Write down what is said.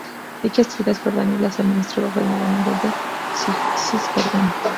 Dichas tierras, Jordania las administró bajo el nuevo nombre de Cisjordania.